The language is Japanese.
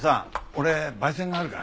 俺焙煎があるから。